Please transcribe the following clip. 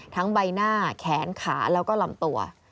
ใบหน้าแขนขาแล้วก็ลำตัว